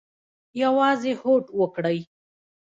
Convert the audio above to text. یوازې هوډ وکړئ